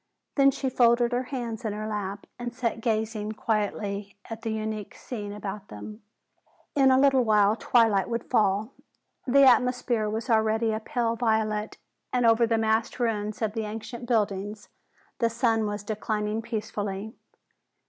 Then she folded her hands in her lap and sat gazing quietly at the unique scene about them. In a little while twilight would fall. The atmosphere was already a pale violet and over the massed ruins of the ancient buildings the sun was declining peacefully.